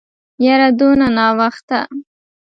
يره دونه ناوخته.